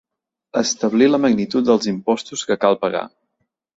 Establir la magnitud dels impostos que cal pagar.